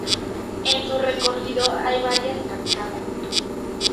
En su recorrido hay varias cascadas.